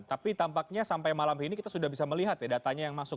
tapi tampaknya sampai malam ini kita sudah bisa melihat ya datanya yang masuk